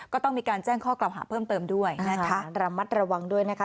ก็ต้องมีการแจ้งข้อกล่องหาเพิ่มเติมด้วยนะคะ